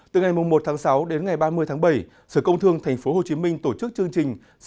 từ ngày một tháng sáu đến ngày ba mươi tháng bảy sở công thương tp hcm tổ chức chương trình